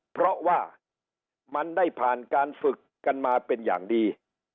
เพราะว่ามันได้ผ่านการฝึกกันมาเป็นอย่างดี